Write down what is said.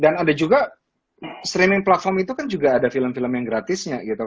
dan ada juga streaming platform itu kan juga ada film film yang gratisnya gitu